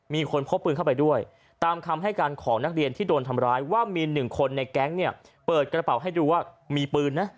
มีคนพกปืนเข้าไปด้วยตามคำให้การของนักเรียนที่โดนทำร้ายว่ามีหนึ่งคนในแก๊งเนี่ยเปิดกระเป๋าให้ดูว่ามีปืนนะ